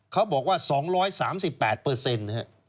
เขาบอกว่า๒๓๘เปอร์เซ็นต์ครับ๒๓๘เปอร์เซ็นต์